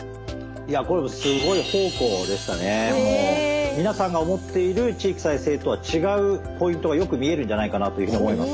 いやこれもう皆さんが思っている地域再生とは違うポイントがよく見えるんじゃないかなというふうに思います。